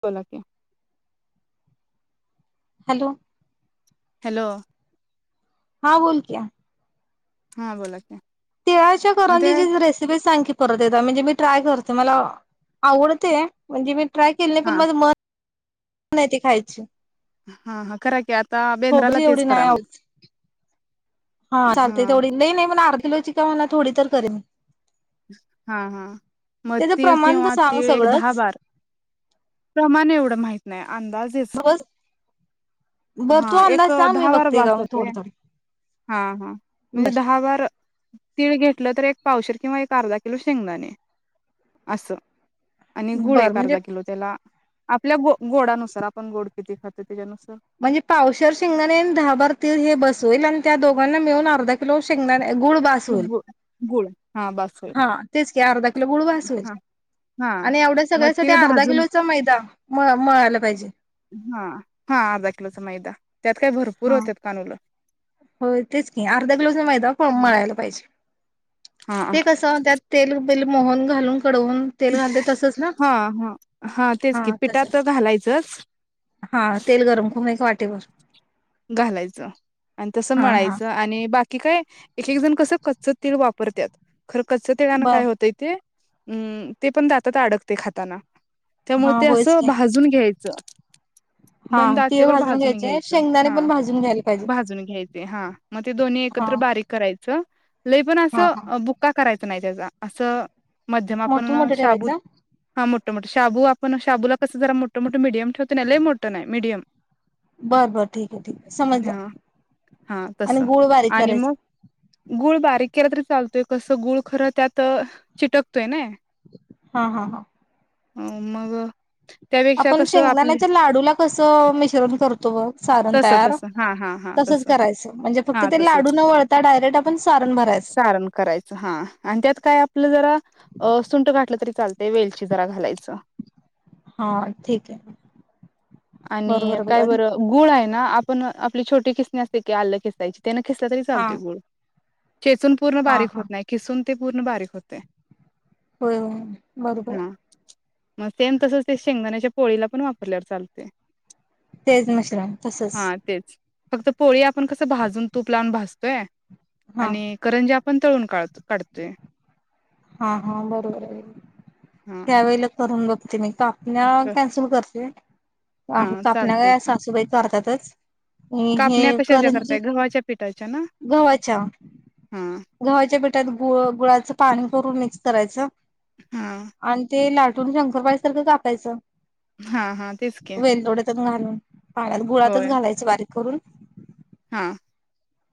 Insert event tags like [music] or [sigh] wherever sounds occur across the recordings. Cola क hello hello हा बोल क्या हा बोलाच तळाच्या करंजी जी रेसिपी सांगित येत म्हणजे मी ट्राय करते मला आवडते. म्हणजे मी, ट्राय केले नाही हा पण माझं मन. मला खायचं हा हा करा की आता बेंद्राला तेच एवढी नाही करा मग आवडत हा चालते तेवढी नाही नाही पण आधी का म्हणत थोडी तर करेन मी हा हा मग त्याचं तीळ प्रमाण तर किंवा सांग तीळ एक दहा सगळंच बारा प्रमाणे एवढं माहित नाही अंदाजेच बरं तू हा एक अंदाज सांग दहा मी बार बघते बास का म होते थोडं थोड हा हा म्हणजे दहा बार तीळ घेतलं तर एक पावशीर किंवा अर्धा किलो शेंगदाणे असं आणि गुळ बर एक म्हणजे अर्धा किलो त्याला आपल्या गो गोडानुसार आपण गोड किती खातो त्याच्यानुसार म्हणजे पावशवर शिंगाणे दहा बार तीस हे बसवेल आणि त्या दोघांना मिळून अर्ध किलो शेंगणार गुळ बासल गुळ हा बास होईल हा तेच क अर्धा किलो गुळ बासूल हा हा आणि एवढ्या मग सगळ्यासाठी तीळ अर्धा भाजून किलोचा मैदा म मळालं पाहिजे हा हा अर्ध किलो समयय त्यात काही भरपूर होत्या कानूलं हो तेच की अर्धा किलो माहित मळायला पाहिजे हा ते कसं त्यात तेल पले मोहन घालून डवून तेल घालते तसच ना हा हा तेच हा की पिठात तसच घालायचंच हा तेल गरम करूून वाट ते बर घालायचं. आणि तसं हा म्हणायचं आणि बाकी काय. एक एक जण कसं कच्च तेल वापरतात. खरं कच्चं ते गाणं बर काय होतंय ते. हम्म ते पण द आातात अडकते खाताना. हा त्यामुळे ते होयच असं की भाजून घ्यायचं. हा मंद तीळ आचेवर भाजून घ्यायचे घ्यायचं शेंगदाने हा पण भाजून घ्यायला पाहिजे. भाजून हा. मग ते दोन्ही हा एकत्र बारीक करायच. च लई पण हा हा असं बुक्का करायच. नाही त्या असं. मध्यम मोठं आपण मोठं शाबूत ठेवायचं हा मोठा ठ मोठे शाबू आपण शाबूला कस जरा मोठ मोठे मिीडयम ठेवते नाही ल मोठं नाही मिडियम. बरं बर ठीक आहे ठीक आहे समजलं, हा आणि तसं गुळ बारीक आणि करायच मग गुळ बारीक केला तरी चालतोय कसं गुळ खरं त्यात चिटकतोय ना. हा हा हा. मग. त्यापेक्षा आपण कसं आपले शेंगदाण्याच्या लाडूला कसं मिश्रण करतो ब तस तस हा हा हा तस करायचं म्हणजे फक्त हा ते लाडू तसच न वळता डायरेक्ट आपण सारण भरायचं सण करायचं हा त्यात काय आपलं जरा सुंट घलं. चालतयं वेलची जरा घालायचं. हा ठीक आहे [unintelligible] आणि बरोबर काय बघा बरं गुळ आहे ना आपण आपली छोटी किसणी असते की आलं किसायची त्याना किसल तरी हा चालते गोड ठेचून पूर्ण हा बारीक हा होत नाही किसून ते पूर्ण बारीक होते होय बरोबर आहे हा मग ते तसच ते शेंगदाण्याच्या पोळीला पण वापरल्यावर चालते तेच मिश्रण तसंच हा तेच फक्त पोळी पण कसं भाजून तूप लावून भाज व्हय हा आणि करंज्या पण तळून काढ काढतोय हा हा बरोबर आहे. हा त्यावेेळेला तरून बघ [unintelligible] कापण्या कॅन्सल करते. अ हा कापल्या चालते का की सासूबाई करारतातच [unintelligible] हे कापण्या कशाच्या करंजी करताय गव्हाच्या पिठाच्या ना गव्हाच्या हा गव्हाच्या पिठात गु गुळाच पाणी कररून मिक्स करायचं. हा आणि ते लाट. कुठून शंकरबाईसारं कापायचं हा हा तेच की. वेलदोड्यातून घालून पाण्यात गुळातच होय घालायच बारीक, करून, हा.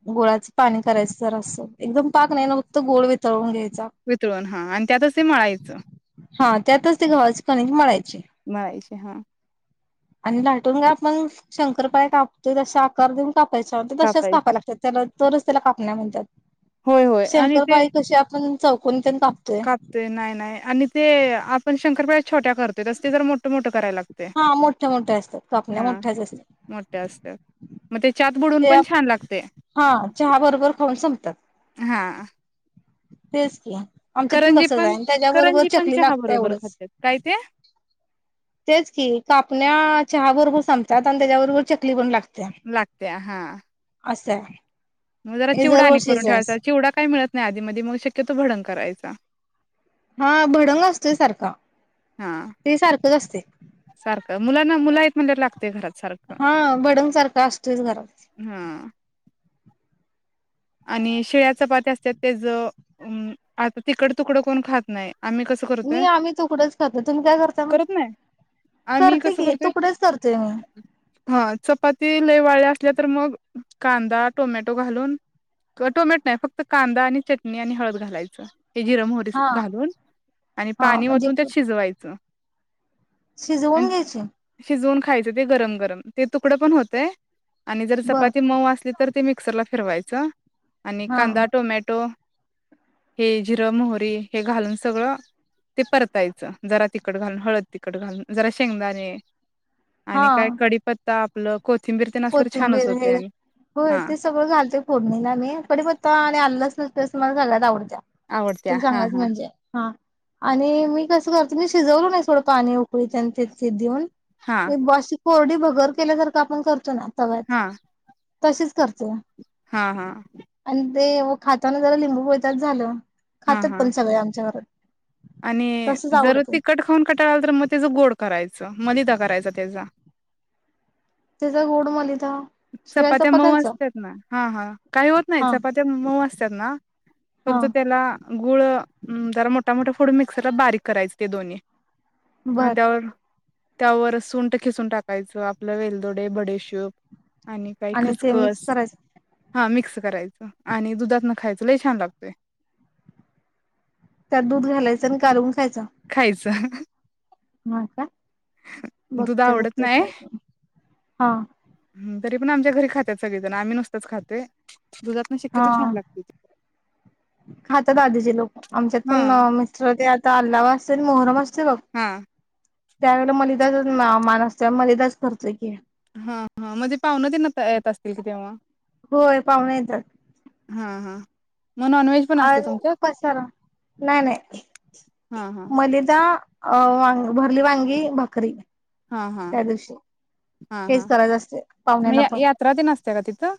गोळाच पाणी करायचं जरासं एकदम पाक नाही ना फक्त गोळ वितळून घ्यायचा. वितळून हा आणि त्यातच ते मळायचं. हा त्यातच ते गव्हाचं कणिक मळायचे मलायचे हामी आणि लाटून काय आपण शंकरपाळ्या कापतोय तस आकार देऊन. कापायच ते तसचं कापायचे कापाय लागतात त्याला. तरच त्याला कापण्या म्हणत्यात. होय शंकरपाळी कशी आपण. चौकीत. कापतोय नाही नाही आणि ते आपण [inaudible] छोट्या करत असते तरर मोठ मोठ. हा मोठ्या मोठ्या असत्यात कपण्या हा मोठ्याच असतात. मोठ्या असतात मग ते चात बुडून ते पण छान लागतय. हा चहा बरोबर खाऊन संपत्यात. हा तेच की. आमच्यात पण करंजी तसंचाय त्याच्याबरोबर करंजी पण चकली चहा लागत्या बरोबर एवढच खातात काय ते तेच की कापण्या चहा बरोबर संपत्यात आणि त्याच्याबरोबर चकली पण लागत लागत्या हा असाय मग जरा चिवडा आणि करून ठेवायचा चिवडा काय मिळत नाही आधी मधी मग शक्यतो भडंग करायचं. चा हा भडंग असतोय सारखा हा ते सारखंच असतय. सारखं मुलांना मुलं आहेत म्हणल्यावर लागतय घरात. सारखं हा भडंगसारखा असतोयच घरात. हा आणि शिळ्या चपात्या असत्यात त्याचं अ आता तिकड तुकडं कोण खात नाही. आम्ही कस मी करतोय आम्ही तुकडच करतो तुम्ही काय करता मग? करत नाही आम्ही करते कस की करतोय तुकडेच करतोय मी. हा चपाती लई वाळ्या तर मग कांदा टोमॅटो घालून. टोमॅटो नाही फक्त कांदा आणि चटणी आणि हळद घालायचं. जिरं मोहरी हा घालून आणि हा पाणी म्हणजे ओतून त्यात शिजवायचं. शिजवून आणि घ्यायची. शिजवून खायचं ते गरम गरम ते तुकडं पण होतंय आणि जर बर चपाती मऊ असली तर ते मी चला फरवायं च आणि हा कांदा टोमॅटो हे जिरं मोहरी हे घालून सगळं ते परतायचं, जरा तिखट घालून हळद तिखट घालून, जरा शेंगदाणे. हा आणि काय कडीपत् ता आपलं. कोथिंबीर ते असलं तर छानच कोथिंबीर होते हे आणि होय, हा ते सगळं घालते फोडणीला मेन कढीपत्ता आणि आलं लसणाची पेस्ट तर मला घालायला आवडते आवडत्या तुला हा सांगायच हा म्हणजे, हा, आणि मी कस कर ते शिजवलो नाही थोडं पाणी उकळुन आणी त्यांचेथ देऊन. हा हे बाशी कोरडी भगर केल्या सारख आपण कर [inaudible] आवाज. हा तसेच कर. हा हा. ते ओ खाताना जरा लिंबू पिळत्यात झालं. हा खातात हा पण सगळे आमच्या घरात. आणि तसच जर आवडतं तिखट खाऊन कटाळा आला तर मग त्याचा गोड करायचं. मलिदा करायचा त्याचा. तिचा गोड मली चपात्या मऊ असत्यात ना हा हा काही होत नाही हा चपात्या मऊ अस त्यांना. हा फक्त त्याला. गुळ जरा मोठा मोठा फोडून मिक्सरला बारीक करायच ते दोन्ही. बर आणि त्यावर. त्यावर सुंट किसुन टाकायचं, आपलं वेलदोडे बडीशूप. आणि ते मिक्स करायचं. हा मिक्स करायचं आणि दुधातन खायचं, लई छान लागतय. त्यात दूध घालायचं आणि कालवून खायचं ह ह. मग आता? दूध बघते आवडत बघते ट्राय करून. हा. ह तरी पण आमच्या घरी खात्यात सगळीजणं आम्ही नुसतच खातोय. दुधातन शक्यतो छान लागतंय ते. खात्यात आधीची लोकं आमच्यात हा पणं मिस्टर ते आता आलावा तेन मोहरम अस ते बग. हा त्यावेळेला मलिदाचाच मान असतोय आम्ही मलिदाच करतोय की. हा हा म्हणजे पाहुणं तेन आता येत असतील की तेव्हा होय पाहुणे येतात हा हा. मग नॉनव्हेज पण असते आणि तो तुमच्यात पसारा नाही नाही हा हा मलिदा अ वांग भरली वांगी भाकरी. हा हा. त्या दिवशी हा हा हेच करायचं असते मग पाहुण्यांना या यात्रा तेन असत्या काय तिथं?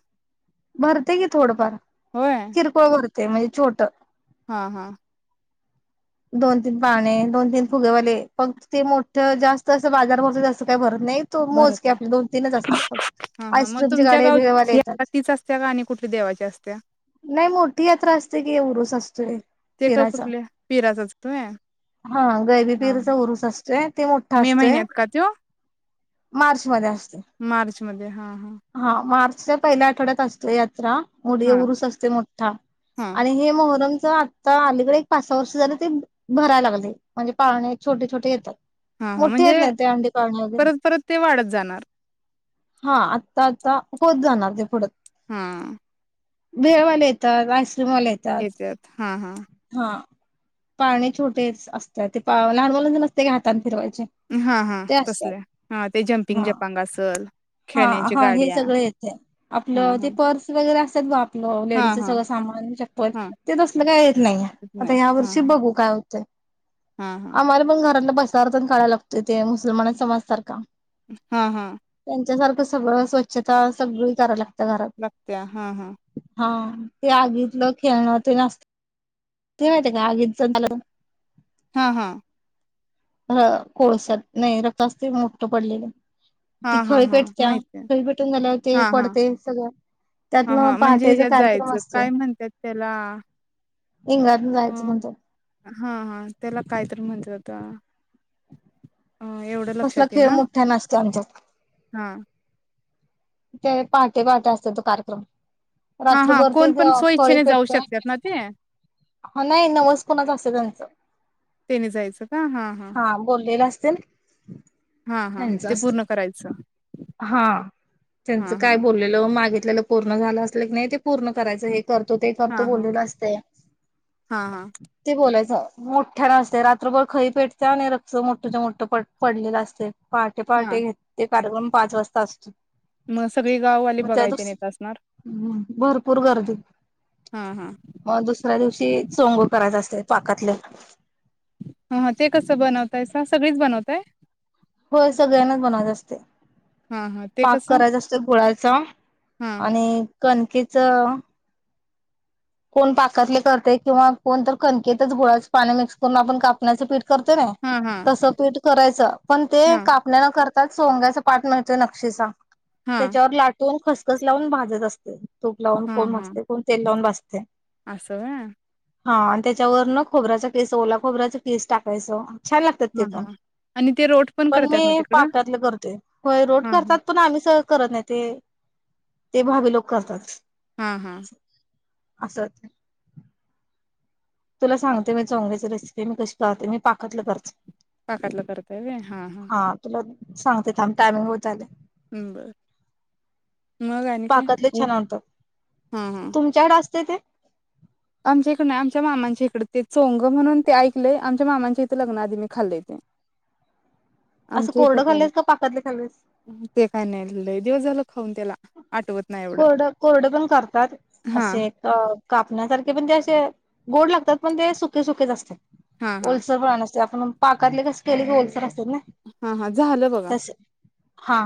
भरतंय की थोडंफार. होय किरकोळ भर ते म्हणजे छोट. हा हा. दोन तीन पाळणे दोन तीन फुगेवाले फक्त ते मोठं जास्त असं बाजार भरतो तसं काय भरत नाही तो मोजके भरत आपले दोन तीनच असतात फक्त हा हा मग आईस्क्रीमचे तुमच्या गाडे भेळवाले गावची येतात. यात्रा तीच असत्या का आणि कुठली देवाची असत्या नाही मोठी यात्रा असते कि उरूस असतोय ते का पिराचा? कुठल्या पिराचाच होय हा गैरी हा पीरचा उरुस असतोय ते मोठा मे असतोय. महिन्यात का मार्च मध्ये अस मार्चमध्ये हा हा. च्या पहिल्या आठवड्यात असते यात्रा. मधे हा उरुस असतय मोठ्ठा हा आणि हे मोहरम तर आता अलीकडे एक पाच पाच सहा वर्ष झाले ते भरायला लागलय म्हणजे पाळणे छोटे छोटे येतात. हा हा मोठे येत म्हणजे नाही ते अंडी पाळणे वगैरे परत परत ते वाढत जाणार. हा आत्ता आता होत जाणार ते पुढ. हा. भेळवाले येतात. आईस आईस्क्रीम वाले येतात. येत्यात हा हा. हा पाळणे छोटेच असतात ते लहान मुलांच नसते का ते हातान फिरवाय हा हा, तसले हा ते जम्पिंग हा जपांग असल. हा खेळण्यांच्या हा हे गाड्या सगळ येतय. हा आपलं ते हा पर्स वगै असत्यात बघा. हो हा लेडीजच हा सगळ सामान चप्पल हा ते तसलं काही येत नाही आता नाहीत हा यावर्षी बघू काय होतंय हा हा आम्हाला पण घरातलं चारजण काढायला लागतय ते मुसलमाना समाजसारखा. हा हा. त्यांच्यासारखं सगळं स्वच्छता सगळी कराय लाग लागत्या हा हा. ते आगीतलं खेळणं ते असतय. ते माहिती का आगीतच झालं हा हा. हा कोळस्यात नाही रक्त असतय मोठ पडलेलं. हा ती हा हा खळीपेटत्या माहिती आहे खळीपेटून झाल्यावरते हा हा पडतय सगळं हा त्यातन हा म्हणजे पहाटेचा ह्याच्यात कार्यक्रम जायचं असतय. काय म्हणतात त्याला अ हा हा त्याला कायतरी म्हणत्यात. ता. कसला खेळ मोठ्यानं असतोय आमच्यात. हा ते पहाटे पहाटे असतोय तो कार्यक्रम. हा हा रात्रभरती कोण पण खळी स्वइच्छेने जाऊ पेटत शकतात ना ते हा नाही नवस कोणाच असत त्यांचं त्याने जायचं का हा बोललेलं अस तेल हा हा त्यांच ते अस पूर्ण करायचं हा त्यांच हा हा काय बोललेलं मागे आपल्याला पूर्ण झालं असलं की नाही ते पूर्ण करायचं आहे तरतो ते फत हा हा बोललेलं असते हा हा ते बोलायचं मोठ्या नसते रात्रभर खई पेटते त्याने रक्ष मोठं मोठं प पडलेलं असते पाटे हा पाटे घेत कारम पाच वाजता असतो मग सगळी गाववाली मग त्या बघायला तेन दुस येत असणार भरपूर गर्दी हा हा मग दुसऱ्या दिवशी चोंगू करायच असते पाकातले ह ते कसं बनवताय स सगळीच बनवताय होय सगळ्यांनाच बनवायचं असते हां, हां. ते पाक कसं? करायचं असत गोळाचा हां. आणि कणकेच कोण पाकातले करते किंवा कोणत कणकेतच गुळाचं पाणी मिक्स करून आपण कापण्याचे पठ ते ना हां, हां. तस पीठ करायचं पण ते हां, कापण्या कर त्याच सोंग्याचा पाठ मिळतोय नक्षीसा हां. त्याच्यावर लाटून ख कस लावून भाजत असते तूप लावून हां, कोण हां. भासते कोण तेल लावून बासते ते असं व्हाय. हा आणि त्याच्यावर न खोबऱ्याचा किस ओला खोबऱ्याचा किस टाकायचं छान लागतात ते हां, प हां. आणि ते रोट पण करतात ना मी तिकडं? पाकातलं करते होय रोड हां, करतात हां. पण आम्ही स करत नाही ते ते भावी लोक करतात. हा हा. आसत. तुला सांगते मी चोंगलीची रेसिपी मी कशी पाहते मी. पाकतलं करचं पाकातलं करताय व्हय? हां, हां. हा तुला सांगते थांब टामिंग होत आलंय. हम्म बरं. मग आणि काय? पाकातले हं, छान आणतात हां, हां. तुमच्याकड अस ते ते आमच्या इकड नाही आमच्या मामांच्या इकडे ते चोंग म्हणून ते ऐकलेय आमच्या मामांच्या इथे लग्न आधी मी खाल्ले ते. असं आमच्या इथं कोरडं काय खाल्लंस का पाकातले खाल्लेस? नाही. ते काय नाही. लय दिवस झालं. खाऊन त्याला. आठवत नाही एवढं. कोरड कोरड पण करतात हां, असे कापण्यासारखे पण ते असे गोड लागतात पण ते सुके सुकेच असत्यात. हां, हां. ओलसरपणा नस ते आपण पाकातले कस केले ओलसर अस हा हा झालं बघा. हा.